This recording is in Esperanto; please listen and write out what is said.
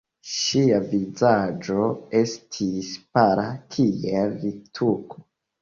Ŝia vizaĝo estis pala kiel littuko.